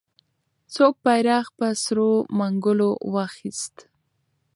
څوک بیرغ په سرو منګولو واخیست؟